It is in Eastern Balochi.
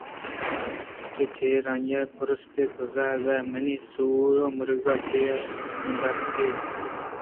کہ چرآئی ءَ پُرستِے تو زیک منی سُور ءِمراگہءَچیا نیتکگ ءِ